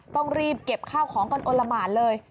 ต้องรีบเก็บข้าวของกันอลละหมานเลย